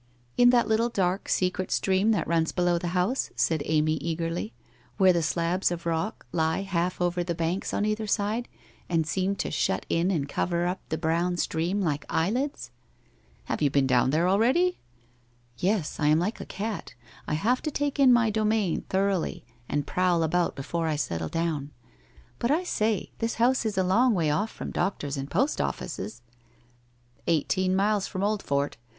* In tbat little, dark, secret stream that runs below the house,' said Amy eagerly, ' where the slabs of rock lie 6ft WHITE ROSE OF WEARY LEAF half over the banks on cither sides and socm to shut in and cover up the brown stream like eyelids?' 1 Have you been down there already ?'* Yes, I am like a cat. I have to take in my domain thoroughly and prowl about before I settle down. But, [ say, this house is a long way oil from doctors and post offices !' 'Eighteen miles from Old fort.